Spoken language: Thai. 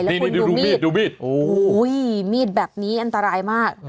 แล้วคุณอยู่มีดโอ้โหมีดแบบนี้อันตรายมาก